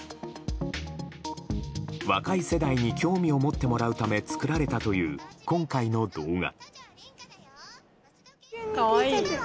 若い世代に興味を持ってもらうため作られたという、今回の動画。